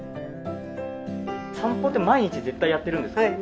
散歩って毎日絶対やってるんですか？